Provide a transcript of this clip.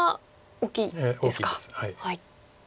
大きいです。